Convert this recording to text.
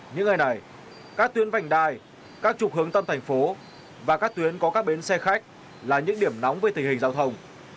những ngày này các tuyến vành đai các trục hướng tâm thành phố và các tuyến có các bến xe khách là những điểm nóng về tình hình giao thông